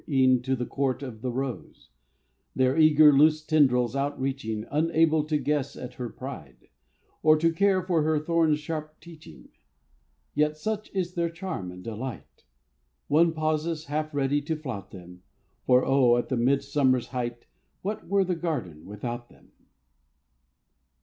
E'en to the court of the rose, Their eager, loose tendrils outreaching; Unable to guess at her pride, Or to care for her thorn's sharp teaching. Yet such is their charm and delight, One pauses, half ready to flout them; For O, at the mid summer's height, What were the garden without them?